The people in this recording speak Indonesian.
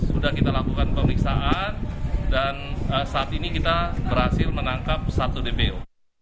sudah kita lakukan pemeriksaan dan saat ini kita berhasil menangkap satu dbl